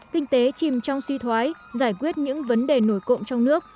kinh tế chìm trong suy thoái giải quyết những vấn đề nổi cộng trong nước